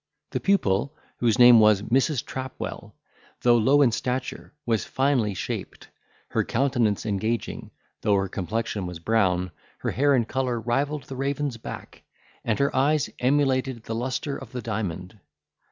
The pupil, whose name was Mrs. Trapwell, though low in stature, was finely shaped, her countenance engaging, though her complexion was brown, her hair in colour rivalled the raven's back, and her eyes emulated the lustre of the diamond.